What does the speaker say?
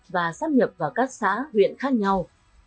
và xác nhập vào các xã huyện khác nhau